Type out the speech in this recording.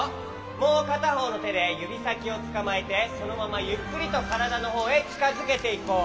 もうかたほうのてでゆびさきをつかまえてそのままゆっくりとからだのほうへちかづけていこう。